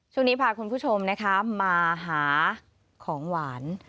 ช่วงนี้พาคุณผู้ชมนะคะมาหาของหวาน